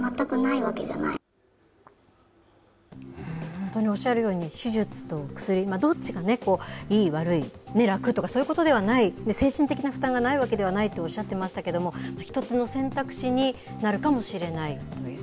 本当におっしゃるように、手術と薬、どっちがいい、悪い、楽とか、そういうことではない、精神的な負担がないわけではないとおっしゃってましたけれども、一つの選択肢になるかもしれないという。